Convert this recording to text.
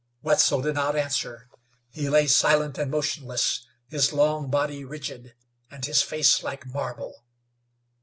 Wetzel did not answer. He lay silent and motionless, his long body rigid, and his face like marble.